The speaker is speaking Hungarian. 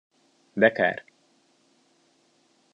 De kár.